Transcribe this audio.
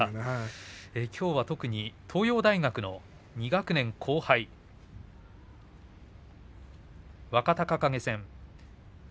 きょうは東洋大学の２学年後輩、若隆景戦。